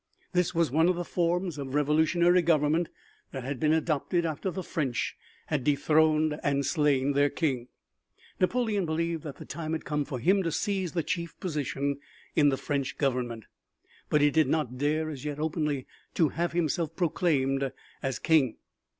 This was one of the forms of revolutionary government that had been adopted after the French had dethroned and slain their king. Napoleon believed that the time had come for him to seize the chief position in the French Government, but he did not dare as yet openly to have himself proclaimed as King.